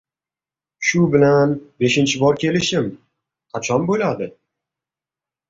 — Shu bilan beshinchi bor kelishim, qachon bo‘ladi?